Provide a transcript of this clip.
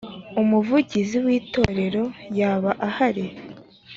umuvugizi w itorero yaba ahari